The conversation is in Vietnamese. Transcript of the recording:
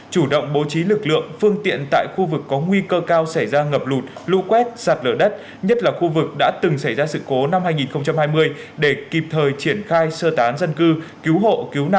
chủ động bố trí lực lượng phương tiện tại khu vực có nguy cơ cao xảy ra ngập lụt lũ quét sạt lửa đất nhất là khu vực đã từng xảy ra sự cố năm hai nghìn hai mươi để kịp thời triển khai sơ tán dân cư cứu hộ cứu nạn và khắc phục hậu quả